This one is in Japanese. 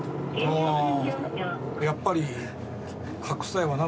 やっぱり。